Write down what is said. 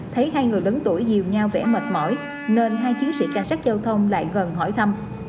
thấy hai người lớn tuổi dìu nhau vẻ mệt mỏi nên hai chiến sĩ cảnh sát giao thông lại gần hỏi thăm